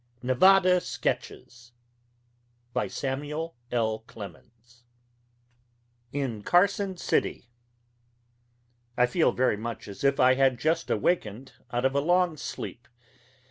NEVADA SKETCHES BY SAMUEL L. CLEMENS IN CARSON CITY I feel very much as if I had just awakened out of a long sleep.